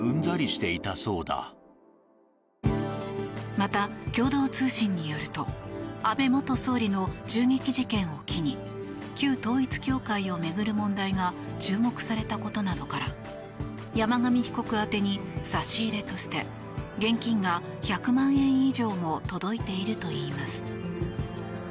また、共同通信によると安倍元総理の銃撃事件を機に旧統一教会を巡る問題が注目されたことなどから山上被告宛てに差し入れとして現金が１００万円以上も届いているといいます。